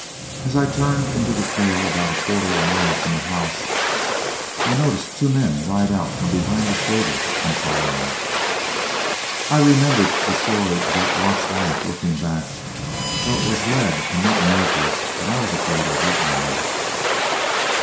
As I turned into the trail about a quarter mile from the house, I noticed two men ride out from behind the stable and follow me. I remembered the story about Lot's wife looking back, though it was lead and not miracles that I was afraid of that morning.